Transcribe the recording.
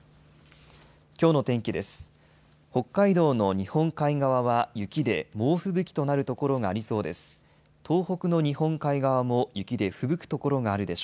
きょうの天気です。